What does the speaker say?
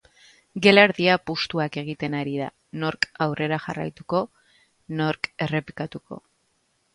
Gela erdia apustuak egiten ari da, nork aurrera jarraituko nork errepikatuko.